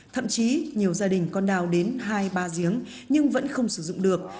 thậm chí nhiều gia đình còn đào đến hai ba giếng nhưng vẫn không sử dụng được